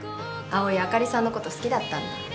葵あかりさんのこと好きだったんだ。